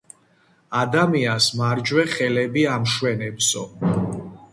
ადამიანს მარჯვე ხელები ამშვენებსო.